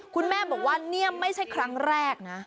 คุณแม่บอกว่านี่ไม่ใช่ครั้งแรกนะ